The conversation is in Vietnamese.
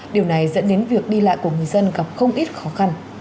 điều này dẫn đến việc đi lại của người dân gặp không ít khó khăn